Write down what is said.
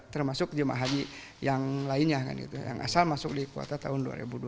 termasuk jemaah haji yang lainnya kan gitu yang asal masuk di kuota tahun dua ribu dua puluh